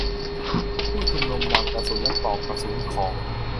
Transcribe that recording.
ผู้ชุมนุมนำกระสุนและปลอกกระสุนของ